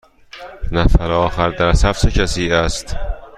نفر آخر در صف چه کسی است؟